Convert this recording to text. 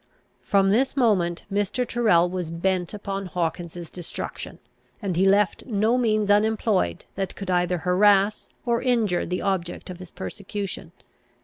From this moment Mr. Tyrrel was bent upon Hawkins's destruction; and he left no means unemployed that could either harass or injure the object of his persecution.